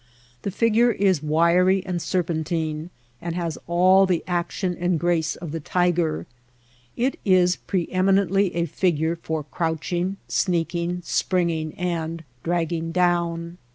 The figure is wiry and serpentine, and has all the action and grace of the tiger. It is pre eminently a figure for crouching, sneaking, springing, and dragging down.